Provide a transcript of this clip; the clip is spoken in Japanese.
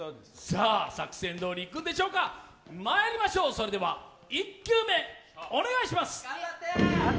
作戦どおりいくんでしょうか、まいりましょう、１球目お願いします。